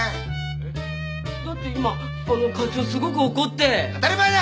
えっだって今課長すごく怒って当たり前だ！